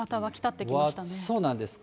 そうなんです。